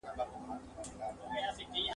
د علم خاوندان تل د درناوي وړ دي.